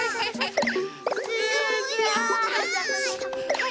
はい。